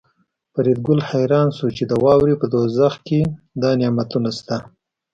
فریدګل حیران شو چې د واورې په دوزخ کې دا نعمتونه شته